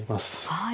はい。